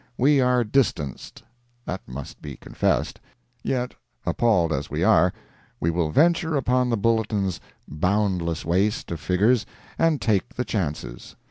We are distanced—that must be confessed; yet, appalled as we are, we will venture upon the Bulletin's "boundless waste" of figures, and take the chances.